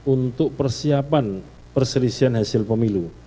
untuk persiapan perselisihan hasil pemilu